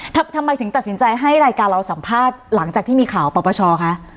ทำไมถึงตัดสินใจให้รายการเราสัมภาษณ์หลังจากที่มีข่าวปรปชคะ